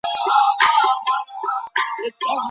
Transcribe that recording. لرګي بې نقشه نه پریښودل کېږي.